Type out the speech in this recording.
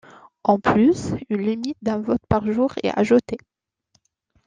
En plus, une limite d'un vote par jour est ajoutée.